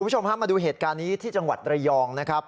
คุณผู้ชมฮะมาดูเหตุการณ์นี้ที่จังหวัดระยองนะครับ